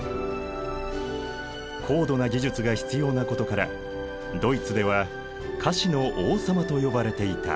高度な技術が必要なことからドイツでは菓子の王様と呼ばれていた。